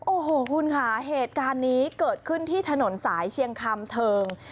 โอ้โหคุณค่ะเหตุการณ์นี้เกิดขึ้นที่ถนนสายเชียงคำเทิง